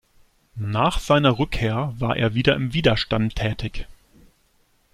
Nach seiner Rückkehr war er wieder im Widerstand tätig.